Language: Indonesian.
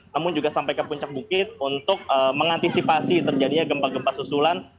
namun juga sampai ke puncak bukit untuk mengantisipasi terjadinya gempa gempa susulan